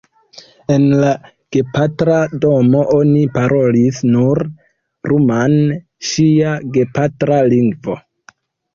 En la gepatra domo oni parolis nur rumane, ŝia gepatra lingvo.